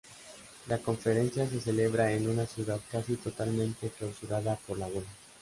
La conferencia se celebraba en una ciudad casi totalmente clausurada por la huelga.